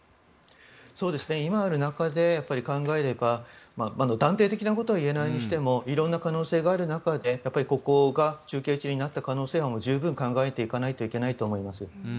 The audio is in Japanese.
今ある中で考えれば断定的なことは言えないにしてもいろんな可能性がある中でここが中継地になった可能性は十分に考えていかないといけないと思います。